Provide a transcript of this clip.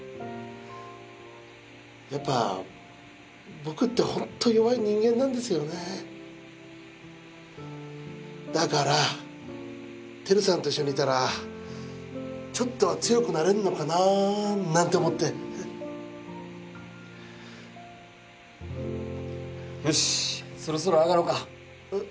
やっぱ僕ってほんと弱い人間なんですよねぇだからテルさんと一緒にいたらちょっとは強くなれるのかなぁなんて思ってよしそろそろ上がろうかえっ？